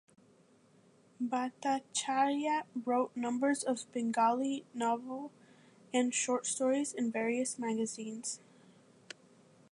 Bhattacharya wrote number of Bengali novel and short stories in various magazine.